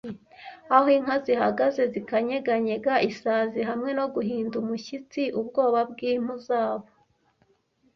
Aho inka zihagaze zikanyeganyega isazi hamwe no guhinda umushyitsi ubwoba bwimpu zabo,